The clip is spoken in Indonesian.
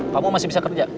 kamu masih bisa kerja